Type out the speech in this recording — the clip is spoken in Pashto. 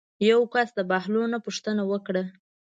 یو کس د بهلول نه پوښتنه وکړه.